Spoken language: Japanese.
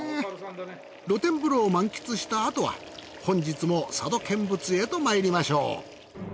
露天風呂を満喫したあとは本日も佐渡見物へとまいりましょう。